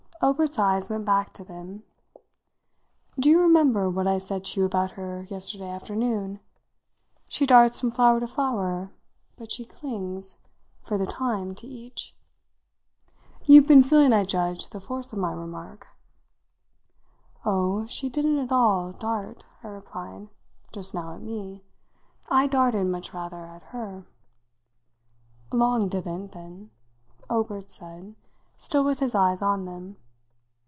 Obert's eyes went back to them. "Do you remember what I said to you about her yesterday afternoon? She darts from flower to flower, but she clings, for the time, to each. You've been feeling, I judge, the force of my remark." "Oh, she didn't at all 'dart,'" I replied, "just now at me. I darted, much rather, at her." "Long didn't, then," Obert said, still with his eyes on them.